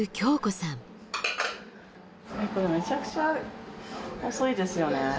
これ、めちゃくちゃ遅いですよね。